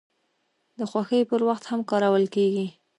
د خوښۍ پر وخت هم کارول کیږي.